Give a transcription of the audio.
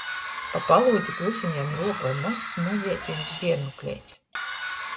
Pa palūdzi kluseņom ruopoj mozs mozeiteņš ziernūkleits.